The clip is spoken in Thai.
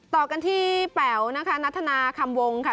ต่อกันที่แป๋วนะคะนัทนาคำวงค่ะ